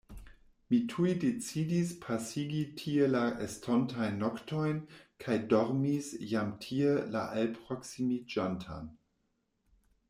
Mi tuj decidis pasigi tie la estontajn noktojn kaj dormis jam tie la alproksimiĝantan.